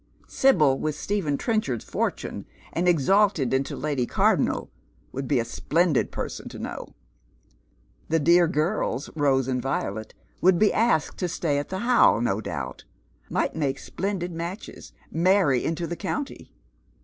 Sibyl with Stephen Trenchard's fortune, and exalt' li into Lady Cardonnel, would be a splendid person to know. Tlie dear girls, Rose and Violet, would be asked to stay at the Ho .v, no doubt ; might make splendid matches, marry into the coun'iy.